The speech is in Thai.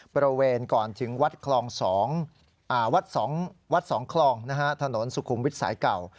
บริเวณก่อนถึงวัดคลอง๒วัด๒คลองถนนสุขุมวิทย์สายเก่า